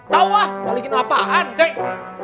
tahu ah balikin apaan ceng